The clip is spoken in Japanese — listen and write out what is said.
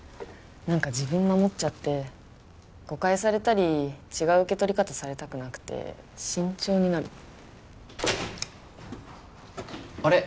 何か自分守っちゃって誤解されたり違う受け取り方されたくなくて慎重になるあれ？